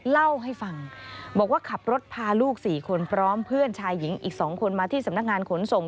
เล่าให้ฟังบอกว่าขับรถพาลูก๔คนพร้อมเพื่อนชายหญิงอีก๒คนมาที่สำนักงานขนส่ง